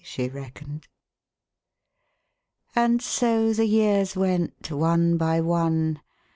She reckoned. And so the years went one by one.